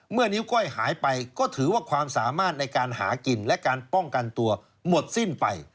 นิ้วก้อยหายไปก็ถือว่าความสามารถในการหากินและการป้องกันตัวหมดสิ้นไป